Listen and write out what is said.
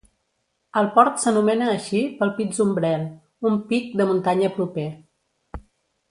El port s'anomena així pel "Piz Umbrail", un pic de muntanya proper.